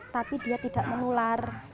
tapi dia tidak menular